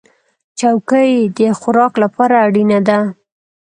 چوکۍ د خوراک لپاره اړینه ده.